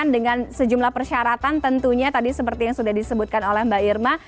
dengan sejumlah persyaratan tentunya tadi seperti yang sudah disebutkan oleh mbak irma